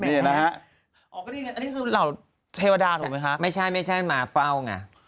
นี่นะฮะอ๋อก็นี่กันอันนี้คือเหล่าเทวดาถูกไหมคะไม่ใช่หมาเฝ้าไง